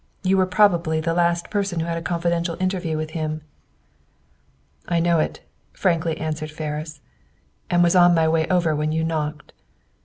You were probably the last person who had a confidential interview with him." "I know it," frankly answered Ferris, "and was on my way over when you knocked."